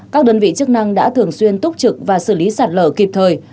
các đơn vị chức năng đã thường xuyên túc trực và xử lý sạt lở kịp thời